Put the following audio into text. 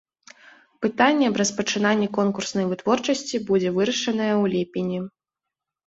Пытанне аб распачынанні конкурснай вытворчасці будзе вырашанае ў ліпені.